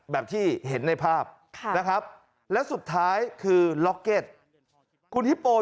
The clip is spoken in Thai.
แบบที่เห็นในภาพนะครับและสุดท้ายคือล็อกเก็ตคุณฮิปโป